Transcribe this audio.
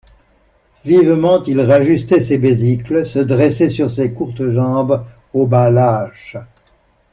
Vivement il rajustait ses besicles, se dressait sur ses courtes jambes aux bas lâches.